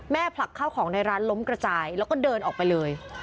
ผลักข้าวของในร้านล้มกระจายแล้วก็เดินออกไปเลย